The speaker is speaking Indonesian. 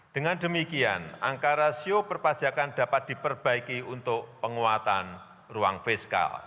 dengan demikian angka rasio perpajakan dapat diperbaiki untuk penguatan ruang fiskal